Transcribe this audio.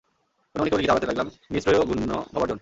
মনে মনে কেবলই গীতা আওড়াতে লাগলেম, নিস্ত্রৈগুণ্যো ভবার্জন।